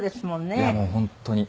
いやもう本当に。